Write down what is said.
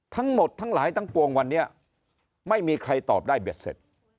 ทั้งหมดทั้งหลายทั้งปวงวันนี้ไม่มีใครตอบได้เบ็ดเสร็จ